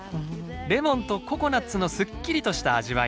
レモンとココナツのすっきりとした味わい。